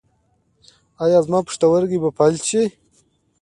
ایا زما پښتورګي به فلج شي؟